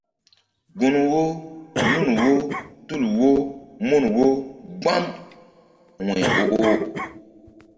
Gun wo nun wo tul wo mun wo gbam wu̧y o oh.